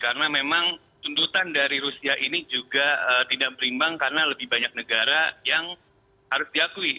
karena memang tuntutan dari rusia ini juga tidak berimbang karena lebih banyak negara yang harus diakui